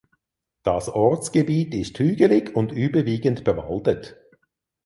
Das Ortsgebiet ist hügelig und überwiegend bewaldet.